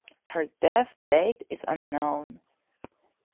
Her death date is unknown.